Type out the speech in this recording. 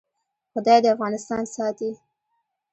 خدای دې افغانستان ساتي؟